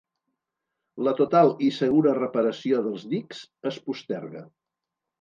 La total i segura reparació dels dics es posterga.